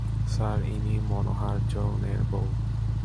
Sir, ইনি মনোহার যৈনের বৌ।